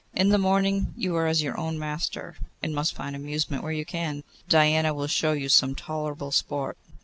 In the morning you are your own master, and must find amusement where you can. Diana will show you some tolerable sport.